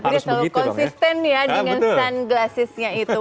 tapi dia selalu konsisten dengan sunglasses nya itu